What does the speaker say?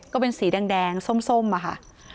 ก็เป็นสีแดงส้มอะค่ะ